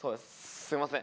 すみません。